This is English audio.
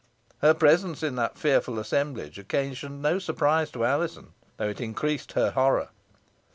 Her presence in that fearful assemblage occasioned no surprise to Alizon, though it increased her horror.